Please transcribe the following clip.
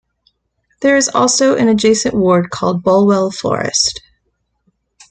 There is also an adjacent ward called Bulwell Forest.